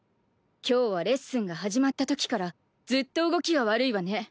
今日はレッスンが始まったときからずっと動きが悪いわね。